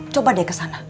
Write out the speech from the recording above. coba deh kesana